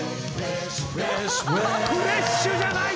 フレッシュじゃない！